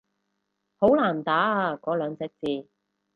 好難打啊嗰兩隻字